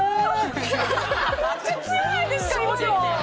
めっちゃ強くないですか？